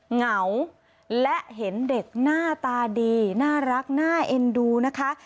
เหงาและเห็นเด็กหน้าตาดีน่ารักน่าเอ็นดูนะคะ